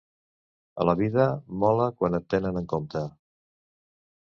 A la vida, mola quan et tenen en compte.